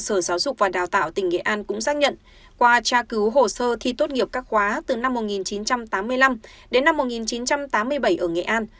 sở giáo dục và đào tạo tỉnh nghệ an cũng xác nhận qua tra cứu hồ sơ thi tốt nghiệp các khóa từ năm một nghìn chín trăm tám mươi năm đến năm một nghìn chín trăm tám mươi bảy ở nghệ an